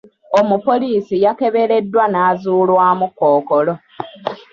Omupoliisi yakebereddwa n'azuulwamu Kkookolo.